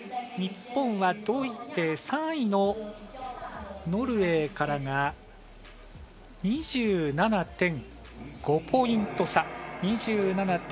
日本は、３位のノルウェーからが２７．５ポイント差。